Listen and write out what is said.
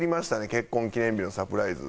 結婚記念日のサプライズ。